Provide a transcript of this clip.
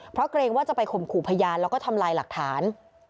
เพราะเกรงว่าจะไปข่มขู่พยานแล้วก็ทำลายหลักฐาน